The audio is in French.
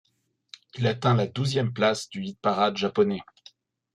Il atteint la douzième place du hit-parade japonais.